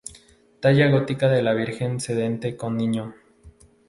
Talla gótica de la Virgen sedente con Niño.